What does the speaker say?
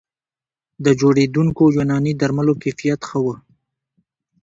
د جوړېدونکو یوناني درملو کیفیت ښه و